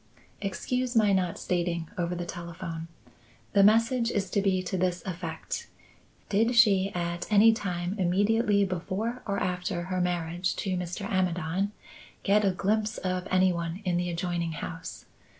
"Excuse my not stating over the telephone. The message is to be to this effect. Did she at any time immediately before or after her marriage to Mr. Amidon get a glimpse of any one in the adjoining house?